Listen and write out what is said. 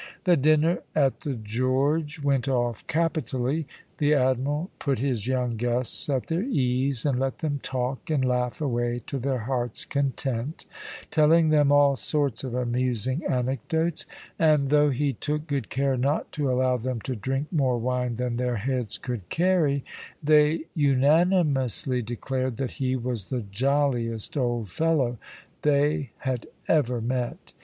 The dinner at the "George" went off capitally. The Admiral put his young guests at their ease, and let them talk and laugh away to their hearts' content, telling them all sorts of amusing anecdotes, and though he took good care not to allow them to drink more wine than their heads could carry, they unanimously declared that he was the jolliest old fellow they had ever met.